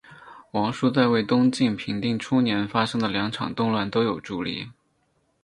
王舒在为东晋平定初年发生的两场动乱都有助力。